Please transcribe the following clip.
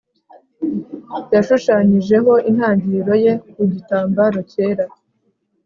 yashushanyijeho intangiriro ye ku gitambaro cyera